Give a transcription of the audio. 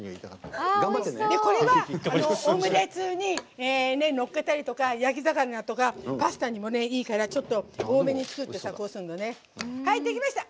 これはオムレツにのっけたりとか焼き魚とか、パスタにもいいから多めに作って、こうするの。できました！